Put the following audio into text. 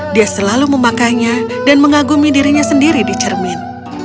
dia selalu memakainya dan mengagumi dirinya sendiri di cermin